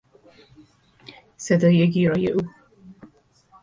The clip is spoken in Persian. صدای گیرای او